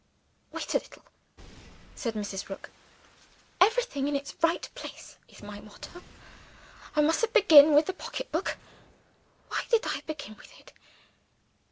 "Wait a little," said Mrs. Rook. "Everything in its right place, is my motto. I mustn't begin with the pocketbook. Why did I begin with it?